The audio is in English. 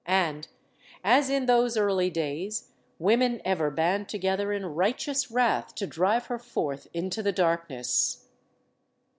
And, as in those early days, women ever band together in righteous wrath to drive her forth into the darkness.